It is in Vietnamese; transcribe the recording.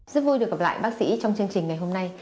rất vui được gặp lại bác sĩ trong chương trình ngày hôm nay